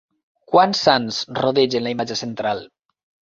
Quants sants rodegen la imatge central?